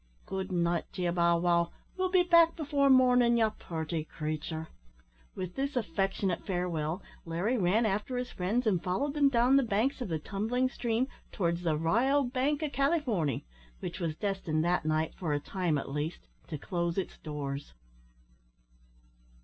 Good night to ye, Bow wow, we'll be back before mornin', ye purty creature." With this affectionate farewell, Larry ran after his friends and followed them down the banks of the tumbling stream towards the `R'yal Bank o' Calyforny,' which was destined that night, for a time at least, to close its doors.